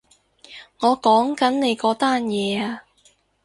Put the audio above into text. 我講緊你嗰單嘢啊